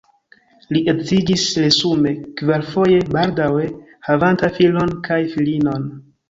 Li edziĝis resume kvarfoje, baldaŭe havanta filon kaj filinon.